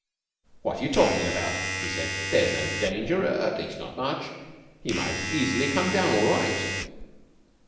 "What are you talking about?" he said. "There's no danger. At least, not much. He might easily come down all right.